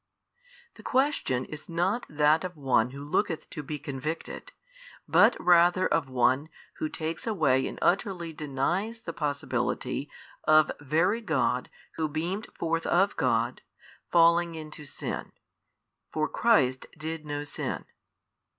The question is not that of one who looketh to be convicted, but rather of One Who takes away and utterly denies the possibility of Very God Who beamed forth of God, falling into sin: for Christ did no sin.